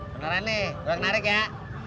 beneran nih gue gak narik ya